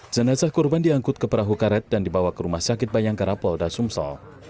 jenazah korban diangkut ke perahu karet dan dibawa ke rumah sakit bayangka rapol dasumso